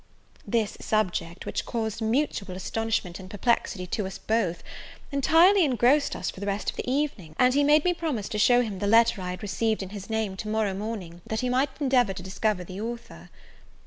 This subject, which caused mutual astonishment and perplexity to us both, entirely engrossed us for the rest of the evening; and he made me promise to show him the letter I had received in his name to morrow morning, that he might endeavour to discover the author.